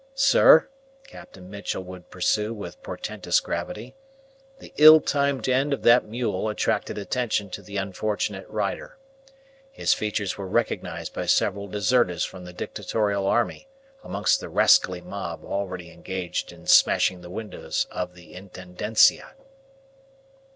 "Sir," Captain Mitchell would pursue with portentous gravity, "the ill timed end of that mule attracted attention to the unfortunate rider. His features were recognized by several deserters from the Dictatorial army amongst the rascally mob already engaged in smashing the windows of the Intendencia."